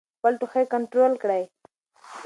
خپل ټوخی کنټرول کړئ.